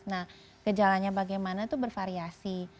nah gejalanya bagaimana itu bervariasi